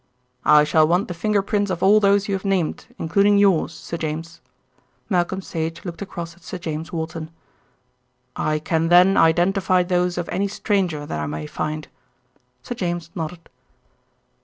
"I shall want the finger prints of all those you have named, including yours, Sir James." Malcolm Sage looked across at Sir James Walton. "I can then identify those of any stranger that I may find." Sir James nodded.